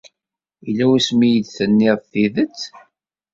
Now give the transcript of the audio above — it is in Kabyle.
Yella wasmi ay iyi-d-tenniḍ tidet?